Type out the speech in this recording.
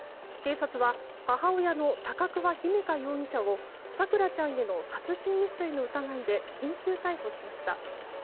警察は、母親の高桑姫華容疑者を咲桜ちゃんへの殺人未遂の疑いで緊急逮捕しました。